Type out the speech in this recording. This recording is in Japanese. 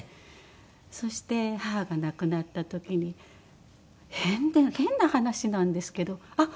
そして母が亡くなった時に変な話なんですけどあっ